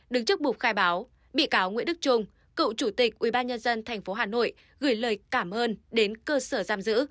đứng trước bục khai báo bị cáo nguyễn đức trung cựu chủ tịch ubnd tp hà nội gửi lời cảm ơn đến cơ sở giam giữ